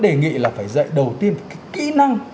đề nghị là phải dạy đầu tiên cái kỹ năng